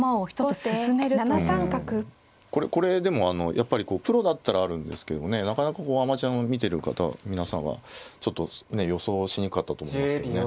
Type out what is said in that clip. これでもやっぱりプロだったらあるんですけどもねなかなかアマチュアの見てる皆さんはちょっと予想しにくかったと思いますけどね。